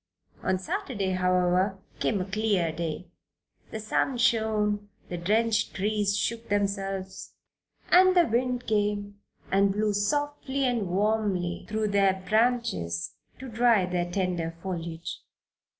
On Saturday, however, came a clear day. The sun shone, the drenched trees shook themselves, and the wind came and blew softly and warmly through their branches to dry the tender foliage.